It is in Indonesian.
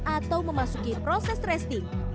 atau memasuki proses resting